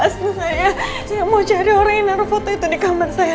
saya mau jadi orang yang ngaruh foto itu di kamar saya